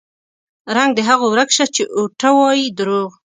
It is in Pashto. رنګ د هغو ورک شه چې اوټه وايي دروغ